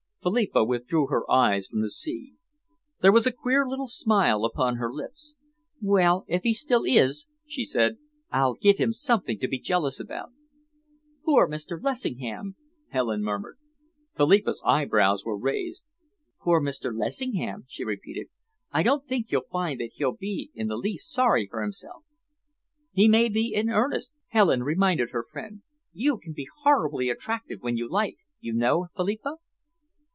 Philippa withdrew her eyes from the sea. There was a queer little smile upon her lips. "Well, if he still is," she said, "I'll give him something to be jealous about." "Poor Mr. Lessingham!" Helen murmured. Philippa's eyebrows were raised. "Poor Mr. Lessingham?" she repeated. "I don't think you'll find that he'll be in the least sorry for himself." "He may be in earnest," Helen reminded her friend. "You can be horribly attractive when you like, you know, Philippa."